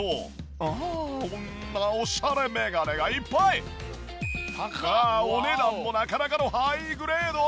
わあこんなオシャレ眼鏡がいっぱい！がお値段もなかなかのハイグレード！